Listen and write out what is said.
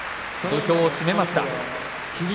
土俵を締めました。